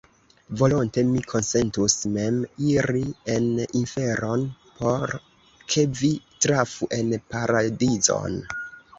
Volonte mi konsentus mem iri en inferon, por ke vi trafu en paradizon!